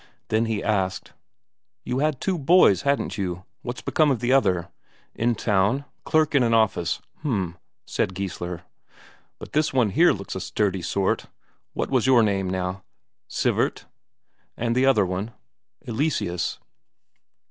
Then he asked: "You had two boys, hadn't you what's become of the other? In town? Clerk in an office? H'm," said Geissler. "But this one here looks a sturdy sort what was your name, now?" "Sivert." "And the other one?" "Eleseus."